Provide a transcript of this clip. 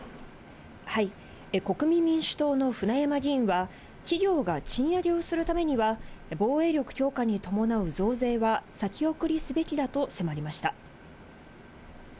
国民民主党の舟山議員は、企業が賃上げをするためには、防衛力強化に伴う増税は先送りすべきだと迫りました。